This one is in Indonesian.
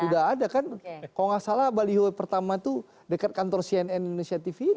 sudah ada kan kalau tidak salah baliho pertama itu dekat kantor cnn inisiatif ini